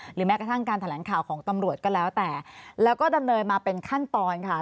แม้กระทั่งการแถลงข่าวของตำรวจก็แล้วแต่แล้วก็ดำเนินมาเป็นขั้นตอนค่ะ